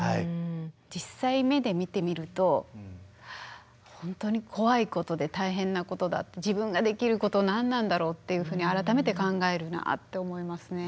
実際目で見てみると本当に怖いことで大変なことだ自分ができること何なんだろうっていうふうに改めて考えるなあって思いますね。